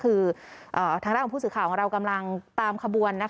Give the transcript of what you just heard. หรือแหล่งผู้สื่อข่าวของเรากำลังตามขบวนนะคะ